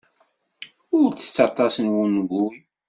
Ur ttett aṭas n wengul.